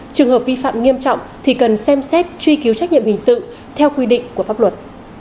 trường hợp vi phạm nghiêm trọng thì cần xem xét truy cứu trách nhiệm hình sự theo quy định của pháp luật